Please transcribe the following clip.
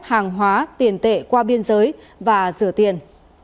hàng hóa tiền tệ qua biên giới và rửa tiền